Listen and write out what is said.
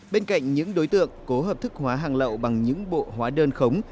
bên cạnh những đối tượng cố hợp thức hóa hàng lậu bằng những bộ hóa đơn khống